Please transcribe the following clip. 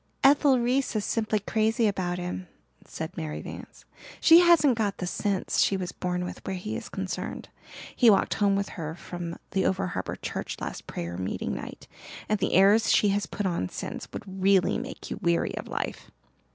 "Ethel Reese is simply crazy about him," said Mary Vance. "She hasn't got the sense she was born with where he is concerned. He walked home with her from the over harbour church last prayer meeting night and the airs she has put on since would really make you weary of life.